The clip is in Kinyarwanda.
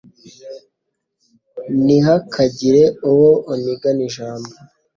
Ntihakagire uwo unigana ijambo.